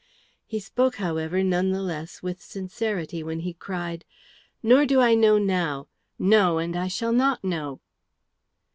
He spoke, however, none the less with sincerity when he cried, "Nor do I know now no, and I shall not know."